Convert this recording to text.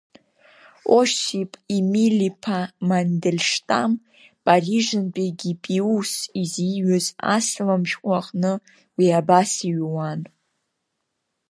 Осип Емиль-иԥа Мандельштам Парижынтәи Гипиус изиҩыз асалам шәҟәы аҟны уи абас иҩуан…